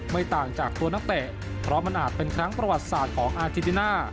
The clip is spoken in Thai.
ไม่ต่างจากตัวนักเตะเพราะมันอาจเป็นครั้งประวัติศาสตร์ของอาเจนติน่า